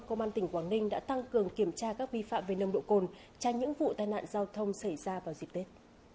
công an tỉnh quảng ninh đã tăng cường kiểm tra các vi phạm về nông độ cồn tránh những vụ tai nạn giao thông xảy ra vào dịp tết